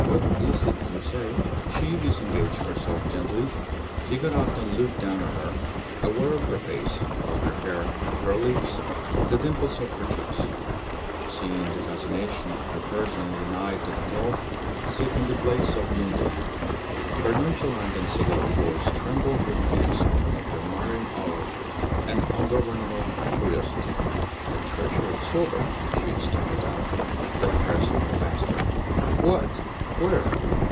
"What is it you say?" She disengaged herself gently. He got up and looked down at her, aware of her face, of her hair, her lips, the dimples on her cheeks seeing the fascination of her person in the night of the gulf as if in the blaze of noonday. Her nonchalant and seductive voice trembled with the excitement of admiring awe and ungovernable curiosity. "A treasure of silver!" she stammered out. Then pressed on faster: "What? Where?